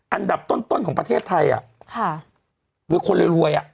อันดับต้นต้นของประเทศไทยอ่ะค่ะหรือคนรวยรวยอ่ะ